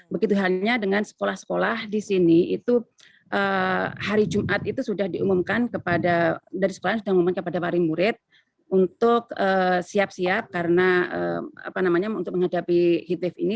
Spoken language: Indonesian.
begitu halnya dengan sekolah sekolah di sini itu hari jumat itu sudah diumumkan kepada dari sekolah sudah mengumumkan kepada wari murid untuk siap siap karena untuk menghadapi hitif ini